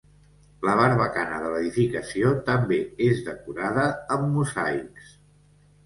La barbacana de l'edificació també és decorada amb mosaics.